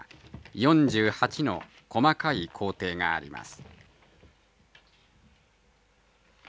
４８の細かい工程があります。